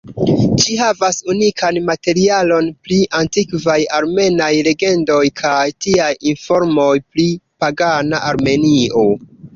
Ĝi havas unikan materialon pri antikvaj armenaj legendoj, kaj tiaj informoj pri pagana Armenio.